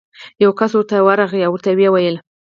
یو کس ورته ورغی او ورته ویې ویل: